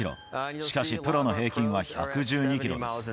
しかしプロの平均は１１２キロです。